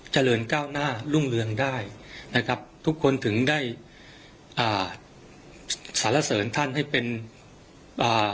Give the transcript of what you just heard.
เจริญก้าวหน้ารุ่งเรืองได้นะครับทุกคนถึงได้อ่าสารเสริญท่านให้เป็นอ่า